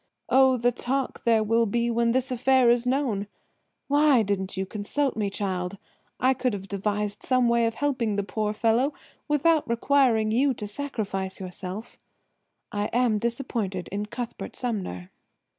"Oh, the talk there will be when this affair is known! Why didn't you consult me, child? I could have devised some way of helping the poor fellow without requiring you to sacrifice yourself. I am disappointed in Cuthbert Sumner."